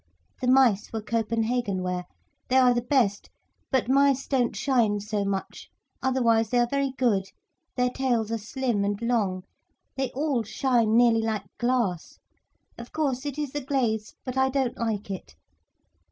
The mice were Copenhagen ware. They are the best, but mice don't shine so much, otherwise they are very good, their tails are slim and long. They all shine nearly like glass. Of course it is the glaze, but I don't like it.